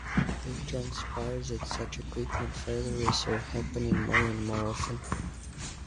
It transpires that such equipment failures are happening more and more often.